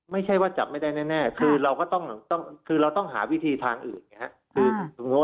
ไม่ใช่ว่าจับไม่ได้แน่คือเราต้องหาวิธีทางอื่น